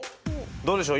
どうでしょう？